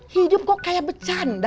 hidup kok kayak bercanda